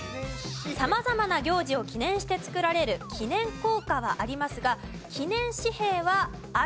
様々な行事を記念して造られる記念硬貨はありますが記念紙幣はある？